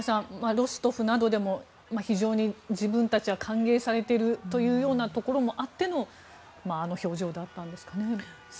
ロストフなどでも非常に自分たちは歓迎されているというところもあってのあの表情だったんですかね。